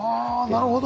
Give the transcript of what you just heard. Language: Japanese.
あなるほど。